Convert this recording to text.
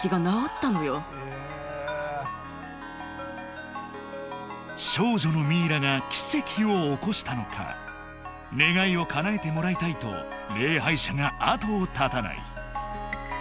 さらに少女のミイラが奇跡を起こしたのか願いを叶えてもらいたいと礼拝者が後を絶たない